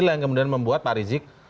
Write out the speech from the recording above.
yang kemudian membuat pak rizik